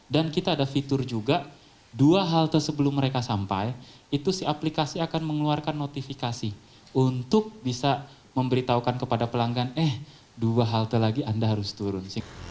dan kita ada fitur juga dua halte sebelum mereka sampai itu si aplikasi akan mengeluarkan notifikasi untuk bisa memberitahukan kepada pelanggan eh dua halte lagi anda harus turun